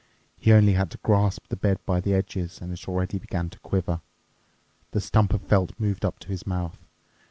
He only had to grasp the bed by the edges, and it already began to quiver. The stump of felt moved up to his mouth.